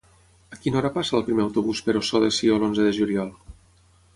A quina hora passa el primer autobús per Ossó de Sió l'onze de juliol?